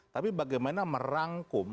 tapi bagaimana merangkum